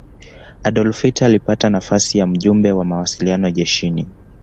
adolf hitler alipata nafasi ya mjumbe wa mawasiliano jeshini